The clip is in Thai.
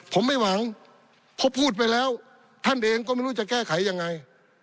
ผมไม่หวังเพราะพูดไปแล้วท่านเองก็ไม่รู้จะแก้ไขยังไง